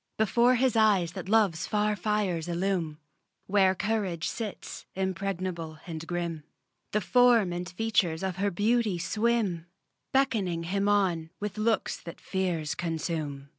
Before his eyes that love's far fires illume Where courage sits, impregnable and grim The form and features of her beauty swim, Beckoning him on with looks that fears consume.